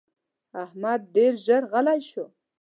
احمد ډېر ژر غلی شو.